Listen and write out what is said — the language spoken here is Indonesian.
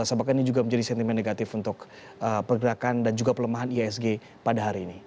apakah ini juga menjadi sentimen negatif untuk pergerakan dan juga pelemahan ihsg pada hari ini